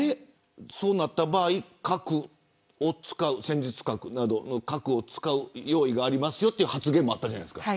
そうなった場合戦術核などの核を使う用意がありますよという発言もあったじゃないですか。